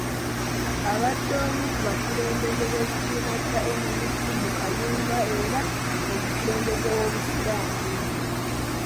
Abadde omu ku bakulembeze b’ekibiina kya NUP mu Kayunga era omukulembeze w’obusiraamu.